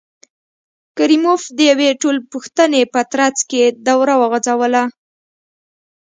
کریموف د یوې ټولپوښتنې په ترڅ کې دوره وغځوله.